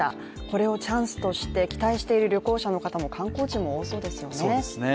これをチャンスとして期待している旅行者の方も、観光地も多そうですよね。